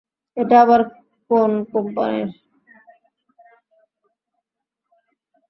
এটা আবার কোন কোম্পানি?